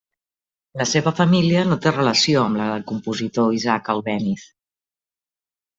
La seva família no té relació amb la del compositor Isaac Albéniz.